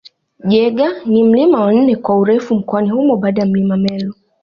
Jaeger ni mlima wa nne kwa urefu mkoani humo baada ya milima Meru